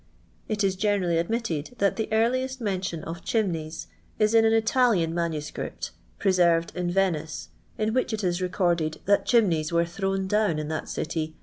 It 1.1 generally admitted that the earliest men tioa of '.'t' .iM 'f." is in an Italian MS., preiorved in Vmiee, in wnic.i it i% recorded that chiIun^yi were thr'»»vn »lown in that ciiy t'ro.